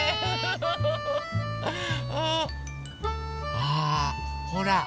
あほら！